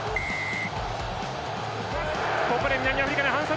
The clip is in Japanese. ここで南アフリカが反則。